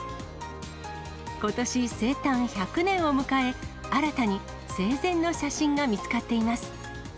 ことし生誕１００年を迎え、新たに生前の写真が見つかっています。